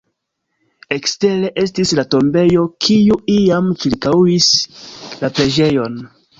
Ekstere estis la tombejo, kiu iam ĉirkaŭis la preĝejon.